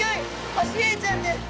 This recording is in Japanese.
ホシエイちゃんです。